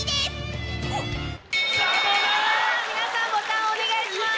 皆さんボタンをお願いします。